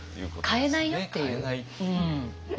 変えないっていう。